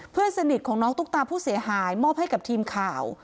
เพื่อนสนิทของน้องตุ๊กตาผู้เสียหายมอบให้กับทีมข่าว